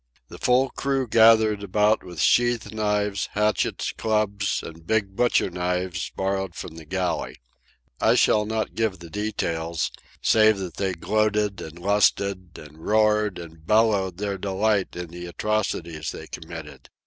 The full crew gathered about with sheath knives, hatchets, clubs, and big butcher knives borrowed from the galley. I shall not give the details, save that they gloated and lusted, and roared and bellowed their delight in the atrocities they committed.